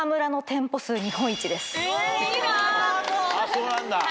そうなんだ。